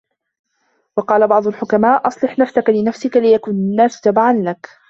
وَقَالَ بَعْضُ الْحُكَمَاءِ أَصْلِحْ نَفْسَك لِنَفْسِك يَكُنْ النَّاسُ تَبَعًا لَك